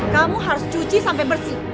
kamu harus cuci sampai bersih